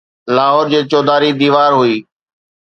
لاهور جي چوڌاري ديوار هئي